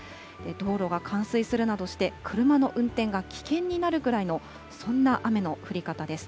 道路が冠水するなどして、車の運転が危険になるぐらいの、そんな雨の降り方です。